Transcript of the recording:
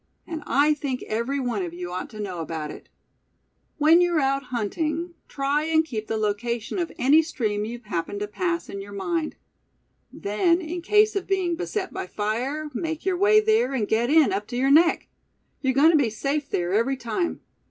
"And I think every one of you ought to know about it. When you're out hunting, try and keep the location of any stream you happen to pass, in your mind. Then in case of being beset by fire, make your way there, and get in, up to your neck. You're going to be safe there, every time.